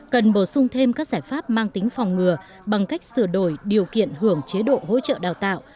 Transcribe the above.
cần bổ sung thêm các giải pháp mang tính phòng ngừa bằng cách sửa đổi điều kiện hưởng chế độ hỗ trợ đào tạo